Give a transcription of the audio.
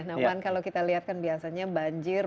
nah wan kalau kita lihat kan biasanya banjir